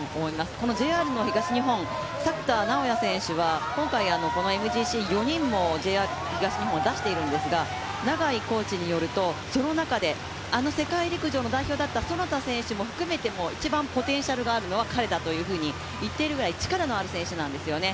このＪＲ東日本、作田直也選手は今回ＭＧＣに４人も出しているんですが、コーチによると、その中で、あの世界陸上の代表だった其田選手も含めても一番ポテンシャルがあるのは彼だというふうにいっているぐらい力のある選手なんですね。